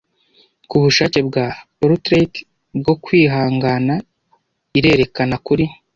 Kubushake bwa portrait bwo kwihangana. Irerekana kuri